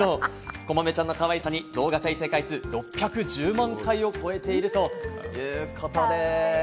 こまめちゃんのかわいさに動画再生回数６１０万回を超えているということです。